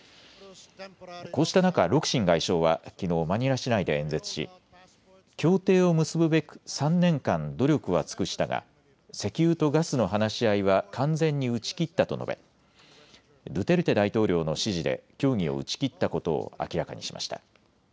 こうした中、ロクシン外相はきのう、マニラ市内で演説し協定を結ぶべく３年間努力は尽くしたが石油とガスの話し合いは完全に打ち切ったと述べドゥテルテ大統領の指示で協議を打ち切ったことを明らかにしました。